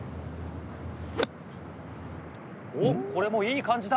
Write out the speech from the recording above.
おっこれもいい感じだ。